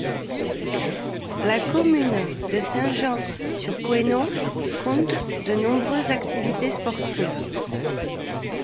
La commune de Saint-Jean-sur-Couesnon compte de nombreuses activités sportives.